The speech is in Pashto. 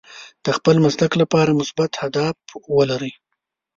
د خپل مسلک لپاره مثبت اهداف ولرئ.